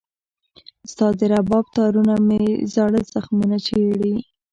ستا د رباب تارونه مې زاړه زخمونه چېړي